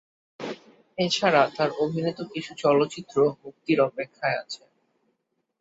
এছাড়া তার অভিনীত কিছু চলচ্চিত্রে মুক্তির অপেক্ষায় আছে।